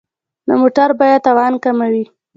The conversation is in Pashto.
د موټر بیمه تاوان کموي.